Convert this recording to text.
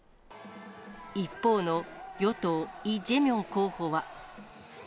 一方の与党、イ・ジェミョン候補は。